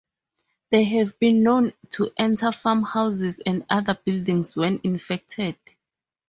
They have been known to enter farm houses and other buildings when infected.